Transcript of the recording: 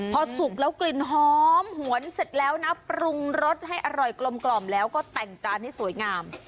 พอสุกแล้วกลิ่นหอมหวนเสร็จแล้วนะปรุงรสให้อร่อยกลมแล้วก็แต่งจานให้สวยงาม